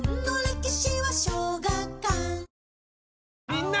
みんな！